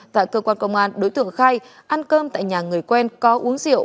tại cơ quan công an đối tượng khai ăn cơm tại nhà người quen có uống rượu